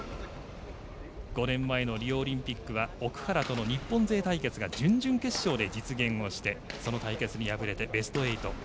５年前のリオオリンピックは奥原との日本勢対決が準々決勝で実現をしてその対決に敗れてベスト８。